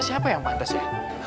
siapa yang mantas ya